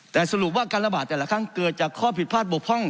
แต่สรุปว่าการระบาดแต่ละครั้งเกิดจากข้อผิดพลาดบกพร่อง